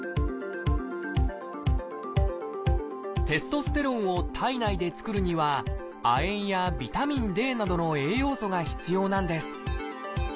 テストステロンを体内で作るには亜鉛やビタミンＤなどの栄養素が必要なんです。